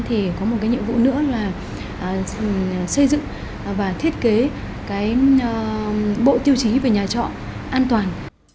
thì có một cái nhiệm vụ nữa là xây dựng và thiết kế cái bộ tiêu chí về nhà trọ an toàn